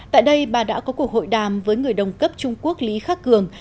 tại đây bà đã có cuộc hội đàm với người đồng cấp trung quốc lý khắc cường